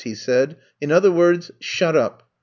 he said. In other words, shut up